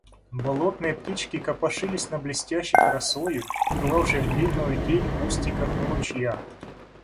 Болотные птички копошились на блестящих росою и клавших длинную тень кустиках у ручья.